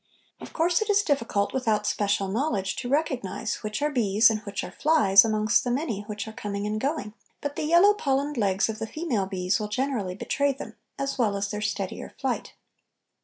Of course it is difficult, without special knowledge, to recognize which are bees and which are flies amongst the many which are coming and going, but the yellow pollened legs of the female bees will generally betray them, as well as their steadier flight.